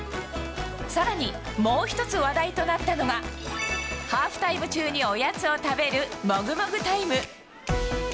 更に、もう１つ話題となったのがハーフタイム中におやつを食べるもぐもぐタイム。